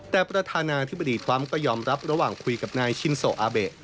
แต่ประธานาธิบดีทรัมป์ก็ยอมรับระหว่างคุยกับนายชินโซอาเบะ